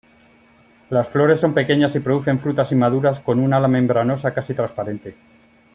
Las flores son pequeñas y producen frutas inmaduras con un ala membranosa casi transparente.